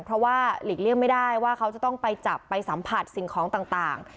เพราะว่าหลีกเลี่ยงไม่ได้ว่าเขาจะต้องไปจับไปสัมผัสสิ่งของต่าง